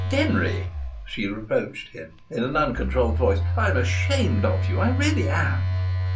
"Denry!" she reproached him, in an uncontrolled voice. "I'm ashamed of you! I really am!"